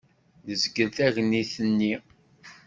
Nezgel tagnit-nni.